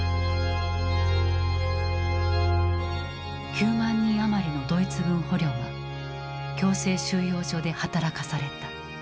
９万人余りのドイツ軍捕虜は強制収容所で働かされた。